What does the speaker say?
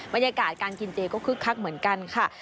บรรยากาศการกินเจก็คึกคักเหมือนกันค่ะ